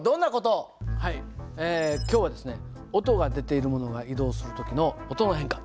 今日はですね音が出ているものが移動する時の音の変化